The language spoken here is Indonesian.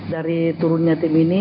dari turunnya tim ini